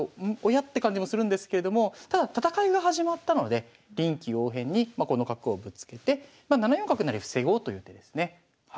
おや？って感じもするんですけれどもただ戦いが始まったので臨機応変にこの角をぶつけて７四角成防ごうという手ですね。